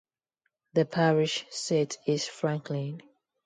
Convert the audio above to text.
The parish seat is Franklin.